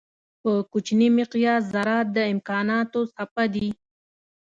په کوچني مقیاس ذرات د امکانانو څپه دي.